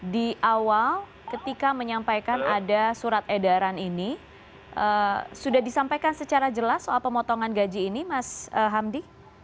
di awal ketika menyampaikan ada surat edaran ini sudah disampaikan secara jelas soal pemotongan gaji ini mas hamdi